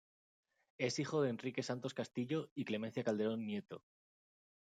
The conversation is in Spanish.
Es hijo de Enrique Santos Castillo y Clemencia Calderón Nieto.